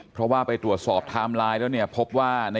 เพราะว่าไปตรวจสอบไทม์ไลน์แล้วพบว่า